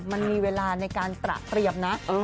มันมีเวลาในการตระเตรียมนะ